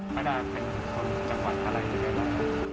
พระดาทเป็นคนจังหวัดเท่าไหร่อยู่ไหน